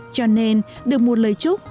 cho nên được một lời chúc